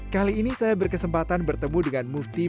kali ini saya berkesempatan bertemu dengan mufti